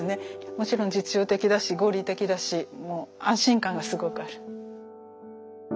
もちろん実用的だし合理的だし安心感がすごくある。